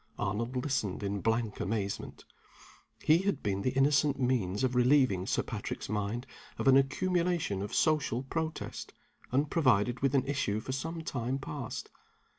Arnold listened in blank amazement. He had been the innocent means of relieving Sir Patrick's mind of an accumulation of social protest, unprovided with an issue for some time past.